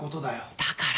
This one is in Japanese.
だから。